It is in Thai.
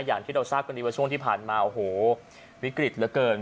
อย่างที่เราทราบกันดีว่าช่วงที่ผ่านมาโอ้โหวิกฤตเหลือเกิน